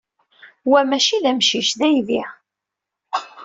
Wa maci d amcic. D aydi.